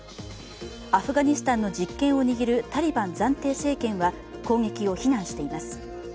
アフガニスタンの実権を握るタリバン暫定政権は攻撃を非難しています。